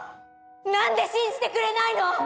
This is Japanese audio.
何で信じてくれないの！